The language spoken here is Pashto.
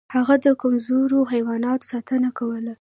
هغه د کمزورو حیواناتو ساتنه کوله.